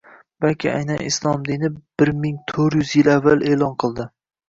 balki aynan Islom dini bir ming to'rt yuz yil avval e’lon qildi